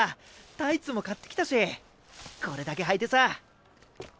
タイツも買ってきたしこれだけはいてさ。